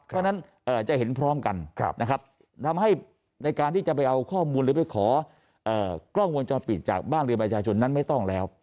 เพราะฉะนั้นจะเห็นพร้อมกันนะครับทำให้ในการที่จะไปเอาข้อมูลหรือไปขอกล้องวงจรปิดจากบ้านเรือนประชาชนนั้นไม่ต้องแล้ว